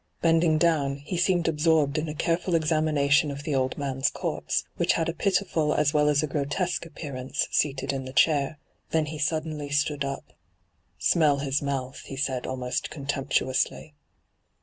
Bending down, he seemed absorbed in a careful ex amination of the old man's corpse, which had a pitiful as well as a grotesque appearance seated in the chair. Then he suddenly stood up. ' Smell his mouth,' he said almost con temptuously.